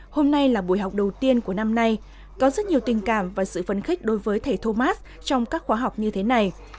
hôm nay là buổi học đầu tiên của năm nay có rất nhiều tình cảm và sự phấn khích đối với thầy thuốc mát trong các khóa học như thế này